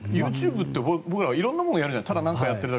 ＹｏｕＴｕｂｅって色んなものをやるじゃない。